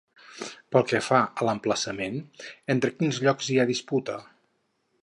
Pel que fa a l'emplaçament, entre quins llocs hi ha disputa?